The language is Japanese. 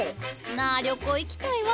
なあ旅行行きたいわ。